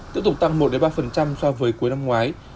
tiếp tục tăng một ba so với cuối năm ngoái